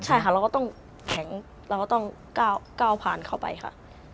ใช่ค่ะเราก็ต้องแข็งเราก็ต้องก้าวผ่านเข้าไปค่ะ